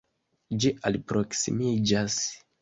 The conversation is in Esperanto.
Ĝi alproksimiĝas.